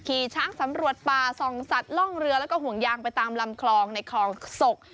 ขี่ช้างสำรวจป่าส่องสัตว์ล่องเรือแล้วก็ห่วงยางไปตามลำคลองในคลองศก